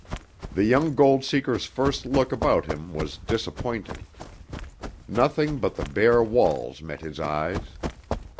The young gold seeker's first look about him was disappointing. Nothing but the bare walls met his eyes.